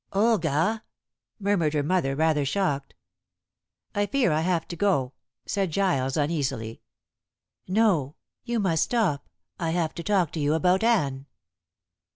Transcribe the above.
"Olga!" murmured her mother, rather shocked. "I fear I have to go," said Giles uneasily. "No. You must stop. I have to talk to you about Anne."